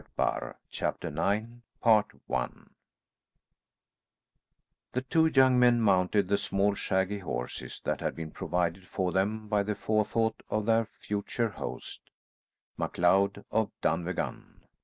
THE KING DRINKS The two young men mounted the small shaggy horses that had been provided for them by the forethought of their future host, MacLeod of Dunvegan.